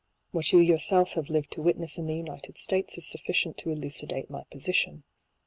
What you yourself have lived to witness in the United States is sufficient to elucidate my posi tion.